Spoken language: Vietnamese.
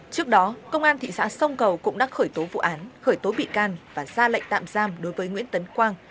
trước đó công an thị xã sông cầu cũng đã khởi tố vụ án khởi tố bị can và ra lệnh tạm giam đối với nguyễn tấn quang